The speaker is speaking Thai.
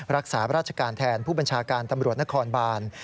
รักษาราชการแทนผู้บัญชาการตำรวจนครบาน